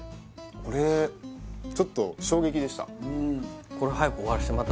これちょっと衝撃でした